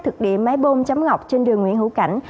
thực địa máy bôm chấm ngọc trên đường nguyễn hữu cảnh